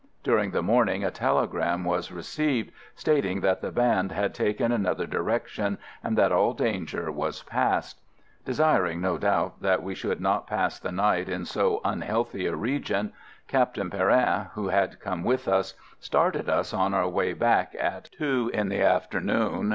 During the morning a telegram was received, stating that the band had taken another direction, and that all danger was passed. Desiring, no doubt, that we should not pass the night in so unhealthy a region, Captain Perrin, who had come with us, started us on our way back at two in the afternoon.